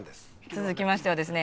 続きましてはですね